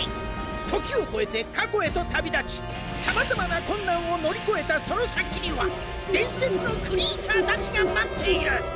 時を超えて過去へと旅立ちさまざまな困難を乗り越えたその先には伝説のクリーチャーたちが待っている。